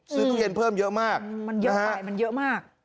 ตู้เย็นเพิ่มเยอะมากมันเยอะไปมันเยอะมาก